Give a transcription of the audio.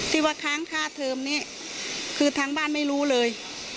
ที่ว่าค้างค่าเทอมนี้คือทางบ้านไม่รู้เลย